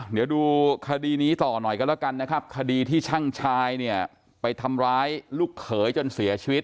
เดี๋ยวดูคดีนี้ต่อหน่อยกันแล้วกันนะครับคดีที่ช่างชายเนี่ยไปทำร้ายลูกเขยจนเสียชีวิต